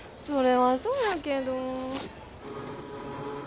それはそうやけど。